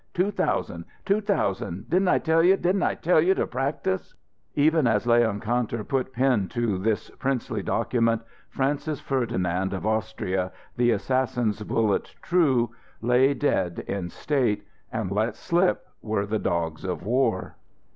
Two thousand! Two thousand! Didn't I tell you didn't I tell you to practise?" Even as Leon Kantor put pen to this princely document, Francis Ferdinand of Austria, the assassin's bullet true, lay dead in state, and let slip were the dogs of war.